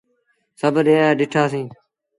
سڀ ڏٺآ سيٚيٚن۔